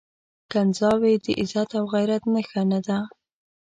کنځاوي د عزت او غيرت نښه نه ده.